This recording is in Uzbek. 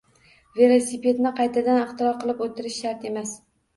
— Velosipedni qaytadan ixtiro qilib o‘tirish shart emas.